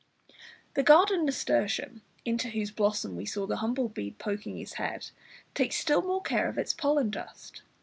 The garden nasturtium, into whose blossom we saw the humble bee poling his head, takes still more care of its pollen dust.